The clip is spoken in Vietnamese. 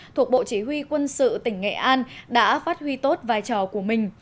thuộc bộ chỉ huy quân sự tỉnh nghệ an đã phát huy tốt vai trò của mình